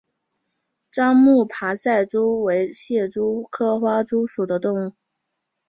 樟木爬赛蛛为蟹蛛科花蛛属的动物。